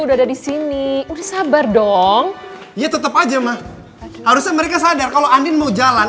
udah ada di sini udah sabar dong ya tetap aja mah harusnya mereka sadar kalau andin mau jalan